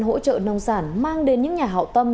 hỗ trợ nông sản mang đến những nhà hậu tâm